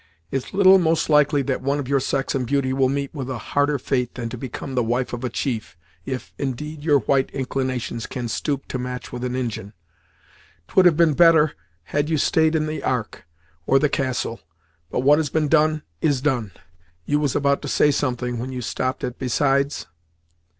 It's little likely that one of your sex and beauty will meet with a harder fate than to become the wife of a chief, if, indeed your white inclinations can stoop to match with an Injin. 'Twould have been better had you staid in the Ark, or the castle, but what has been done, is done. You was about to say something, when you stopped at 'besides'?"